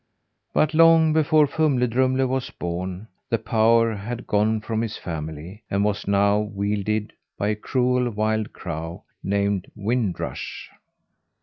But long before Fumle Drumle was born, the power had gone from his family, and was now wielded by a cruel wild crow, named Wind Rush.